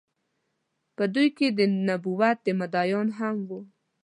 په دوی کې د نبوت مدعيانو هم وو